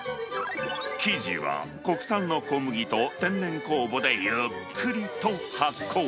生地は、国産の小麦と天然酵母でゆっくりと発酵。